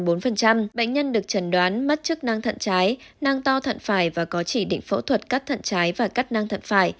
bệnh nhân được trần đoán mất chức nang thận trái nang to thận phải và có chỉ định phẫu thuật cắt thận trái và cắt nang thận phải